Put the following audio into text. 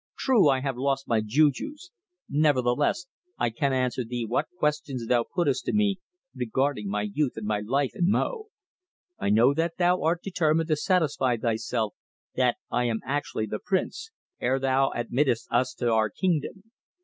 "True, I have lost my jujus, nevertheless I can answer thee what questions thou puttest to me regarding my youth and my life in Mo. I know that thou art determined to satisfy thyself that I am actually the Prince, ere thou admittest us to our kingdom."